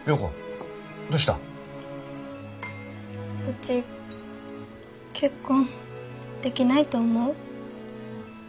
うち結婚できないと思う？